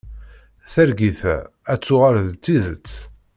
Targit-a ad tuɣal d tidet.